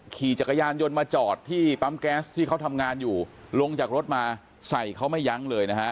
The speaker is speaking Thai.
ขี่จักรยานยนต์มาจอดที่ปั๊มแก๊สที่เขาทำงานอยู่ลงจากรถมาใส่เขาไม่ยั้งเลยนะฮะ